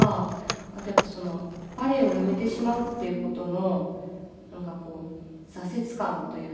あとバレエをやめてしまうっていう事のなんかこう挫折感というか。